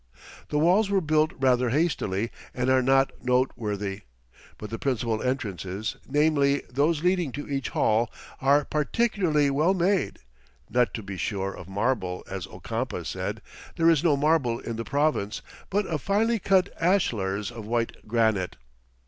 The walls were built rather hastily and are not noteworthy, but the principal entrances, namely, those leading to each hall, are particularly well made; not, to be sure, of "marble" as Ocampo said there is no marble in the province but of finely cut ashlars of white granite.